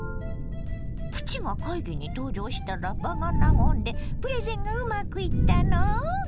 プチが会議に登場したら場が和んでプレゼンがうまくいったの？